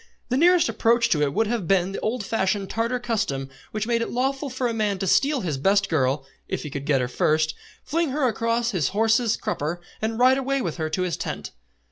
The nearest approach to it would have been the old fashioned Tartar custom which made it lawful for a man to steal his best girl, if he could get her first, fling her across his horse's crupper and ride away with her to his tent.